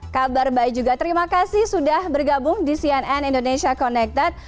kabar baik juga terima kasih sudah bergabung di cnn indonesia connected